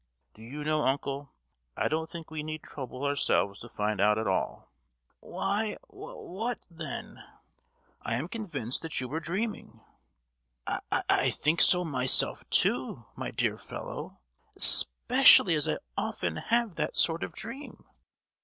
"Do you know, uncle, I don't think we need trouble ourselves to find out at all." "Why, wh—what then?" "I am convinced that you were dreaming." "I—I think so myself, too, my dear fellow; es—pecially as I often have that sort of dream."